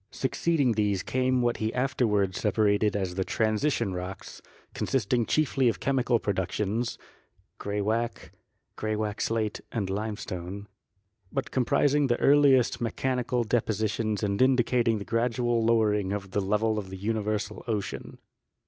Succeeding these came what he afterward separated as the Transition Rocks, consisting chiefly of chemical productions (gray wacke, graywacke slate and limestone), but comprising the earliest mechanical depositions and indicating the gradual lowering of the level of the universal ocean.